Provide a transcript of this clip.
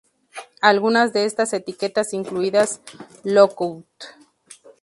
Algunas de estas etiquetas incluidas Lookout!